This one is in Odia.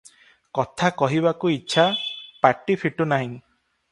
କଥା କହିବାକୁ ଇଚ୍ଛା, ପାଟି ଫିଟୁନାହିଁ ।